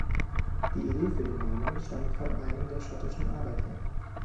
Die Idee für den Namen stammt von einem der schottischen Arbeiter.